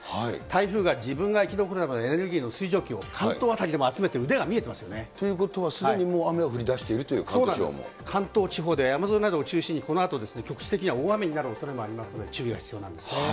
台風が自分が生き残るためのエネルギーの水蒸気を関東辺りでも集ということはもうすでに雨が関東地方で、山沿いなどを中心にこのあと、局地的には大雨になるおそれもありますので、注意が必要なんですね。